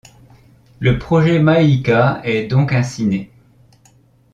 Le projet Maïka est donc ainsi né.